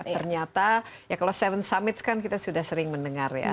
ternyata ya kalau tujuh summits kan kita sudah sering mendengar ya